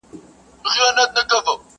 شیخه څنګه ستا د حورو کیسې واورم٫